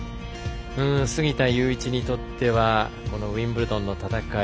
杉田祐一にとってはウィンブルドンの戦い。